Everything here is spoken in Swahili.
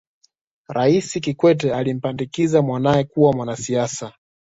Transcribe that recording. raisi kikwete alimpandikiza mwanae kuwa mwanasiasa